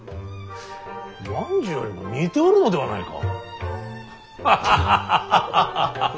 万寿よりも似ておるのではないか。ハハハハハハハ！